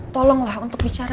tolonglah untuk bicara